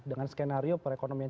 dengan skenario perekonomian